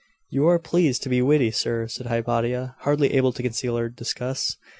'You are pleased to be witty, sir,' said Hypatia, hardly able to conceal her disgust.